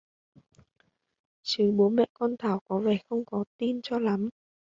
Chứ bố mẹ con Thảo có vẻ không có tin cho lắm